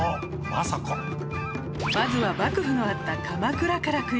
まずは幕府のあった鎌倉からクイズ。